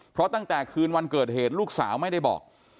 เพราะตั้งแต่คืนวันเกิดเหตุลูกสาวไม่ได้บอก